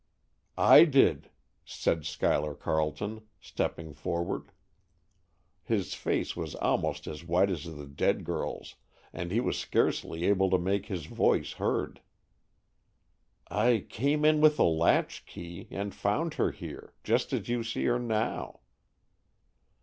"I did," said Schuyler Carleton, stepping forward. His face was almost as white as the dead girl's, and he was scarcely able to make his voice heard. "I came in with a latch key, and found her here, just as you see her now."